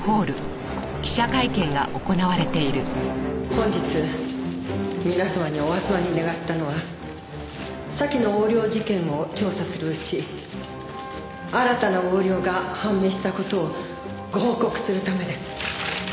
本日皆様にお集まり願ったのは先の横領事件を調査するうち新たな横領が判明した事をご報告するためです。